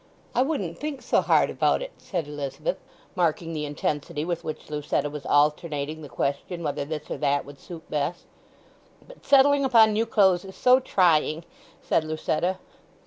"I wouldn't think so hard about it," said Elizabeth, marking the intensity with which Lucetta was alternating the question whether this or that would suit best. "But settling upon new clothes is so trying," said Lucetta.